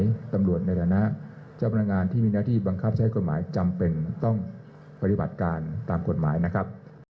ตอนนี้ตำรวจในฐานะเจ้าพนักงานที่มีหน้าที่บังคับใช้กฎหมายจำเป็นต้องปฏิบัติการตามกฎหมายนะครับ